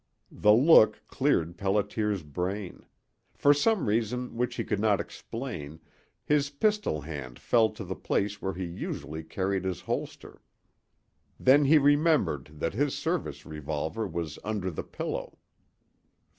The look cleared Pelliter's brain. For some reason which he could not explain, his pistol hand fell to the place where he usually carried his holster. Then he remembered that his service revolver was under the pillow.